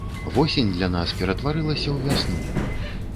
Восень для нас ператварылася ў вясну.